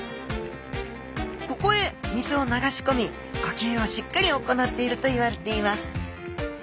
ここへ水を流し込み呼吸をしっかり行っているといわれています。